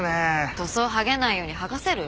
塗装はげないように剥がせる？